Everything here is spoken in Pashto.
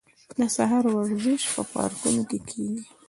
د سهار ورزش په پارکونو کې کیږي.